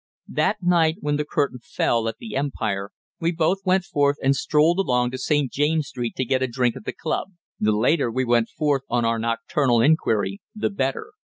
That night, when the curtain fell at the Empire, we both went forth and strolled along to St. James's Street to get a drink at the club. The later we went forth on our nocturnal inquiry, the better.